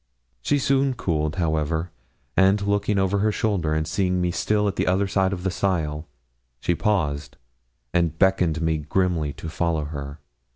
She soon cooled, however, and looking over her shoulder, and seeing me still at the other side of the stile, she paused, and beckoned me grimly to follow her.